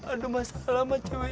aduh masa lama ceweknya